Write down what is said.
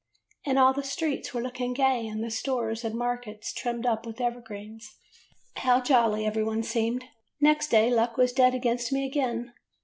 And all the streets were looking gay and the stores and markets trimmed up with evergreens. How jolly every one seemed! "Next day luck was dead against me again.